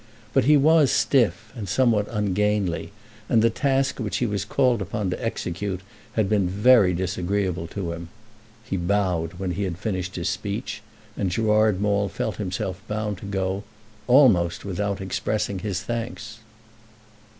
But he was stiff and somewhat ungainly, and the task which he was called upon to execute had been very disagreeable to him. He bowed when he had finished his speech, and Gerard Maule felt himself bound to go, almost without expressing his thanks.